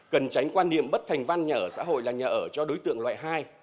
cần tránh quan niệm bất thành văn nhà ở xã hội là nhà ở cho đối tượng loại hai